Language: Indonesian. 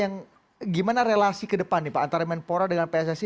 gimana relasi ke depan antara kemenpora dengan pssi